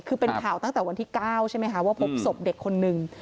คือเป็นข่าวตั้งแต่วันที่๙ใช่ไหมคะว่าพบศพเด็กคนนึง